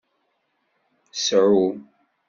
Sɛu.